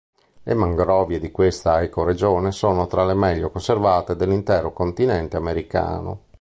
Le mangrovie di questa ecoregione sono tra le meglio conservate dell'intero continente americano.